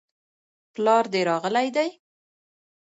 پلار دي راغلی دی؟